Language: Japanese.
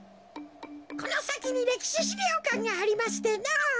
このさきにれきししりょうかんがありましてのぉ。